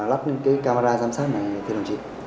lắp camera giám sát này thưa đồng chí